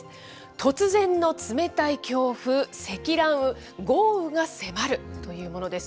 突然の冷たい強風、積乱雲、豪雨が迫るというものです。